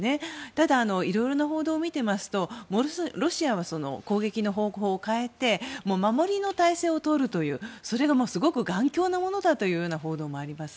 ただ、いろいろな報道を見てますとロシアは攻撃の方向を変えて守りの態勢をとるというそれがすごく頑強なものだという報道もあります。